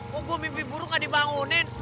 kok gua mimpi burung gak dibangunin